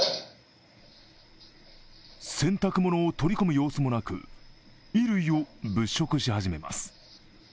洗濯物を取り込む様子もなく、衣類を物色し始めます。